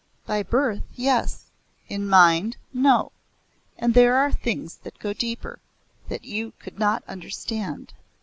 "By birth, yes. In mind, no. And there are things that go deeper, that you could not understand.